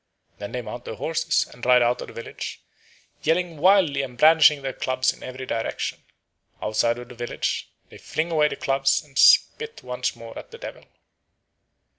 Then they mount their horses and ride out of the village, yelling wildly and brandishing their clubs in every direction. Outside of the village they fling away the clubs and spit once more at the Devil.